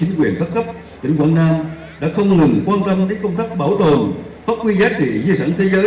nguyễn pháp cấp tỉnh quảng nam đã không ngừng quan tâm đến công tác bảo tồn phát huy giá trị di sản thế giới